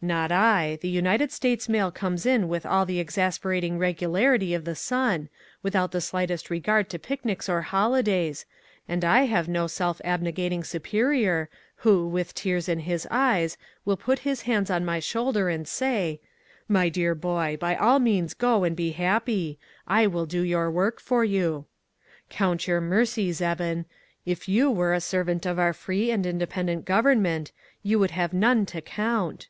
"Not I. The United States mail comes in with all the exasperating regularity of the sun, without the slightest regard to pic nics or holidays, and I have no self abne gating superior, who, with tears in his eyes, will put his hands on my shoulder, and say, FROM MIDNIGHT TO SUNRISE. 15 'My dear boy, by all means go and be happy ; I will do your work for you.' Count your mercies, Eben ; if you were a servant of our free and independent Gov ernment, you would have none to count."